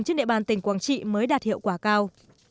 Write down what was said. trên địa bàn tỉnh quảng trị mới đạt hiệu quả cao